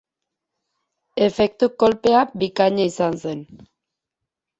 Efektu kolpea bikaina izan zen.